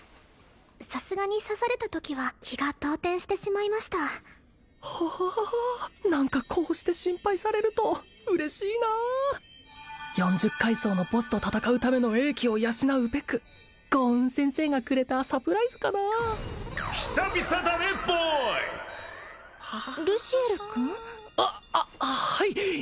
さすがに刺されたときは気が動転してしまいましたああ何かこうして心配されると嬉しいなあ四十階層のボスと戦うための英気を養うべく豪運先生がくれたサプライズかな久々だねボーイルシエル君？ははい！